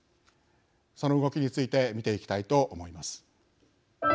その動きについて見ていきたいと思います。